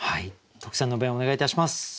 特選の弁をお願いいたします。